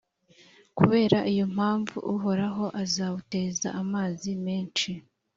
kubera iyo mpamvu, Uhoraho azawuteza amazi menshi,